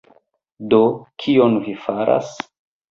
Do, kion vi faras?